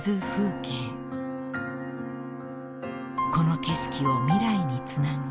［この景色を未来につなぐ］